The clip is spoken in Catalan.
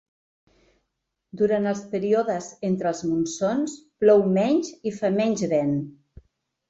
Durant els períodes entre els monsons plou menys i fa menys vent.